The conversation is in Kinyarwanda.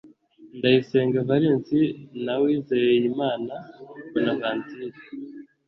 Ndayisenga Valens na Uwizeyimana Bonaventure